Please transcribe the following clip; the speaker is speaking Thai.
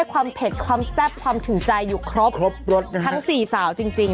เผ็ดความแซ่บความถึงใจอยู่ครบครบรสนะฮะทั้งสี่สาวจริงจริง